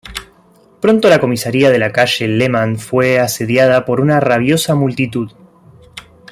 Pronto la comisaria de la calle Leman fue asediada por una rabiosa multitud.